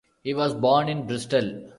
He was born in Bristol.